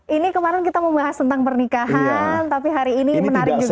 ini kemarin kita membahas tentang pernikahan tapi hari ini menarik juga